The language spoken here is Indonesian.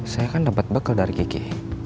saya kan dapet bekal dari kiki